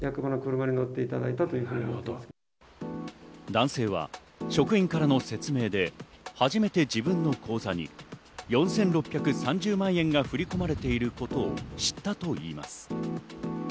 男性は職員からの説明で初めて自分の口座に４６３０万円が振り込まれていることを知ったといいます。